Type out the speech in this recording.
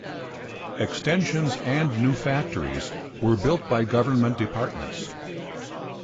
Extensions and new factories were built by government departments.